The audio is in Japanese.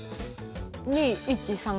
２１３。